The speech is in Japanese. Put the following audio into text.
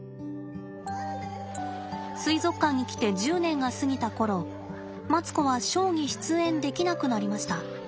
水族館に来て１０年が過ぎた頃マツコはショーに出演できなくなりました。